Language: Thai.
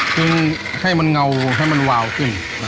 คือให้มันเงาให้มันวาวขึ้น